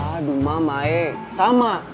aduh mamae sama